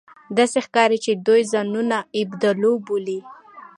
داسې ښکاري چې دوی ځانونه اېبودالو بولي